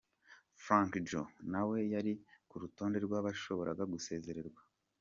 Frankie Joe nawe yari ku rutonde rw'abashobora gusezererwa.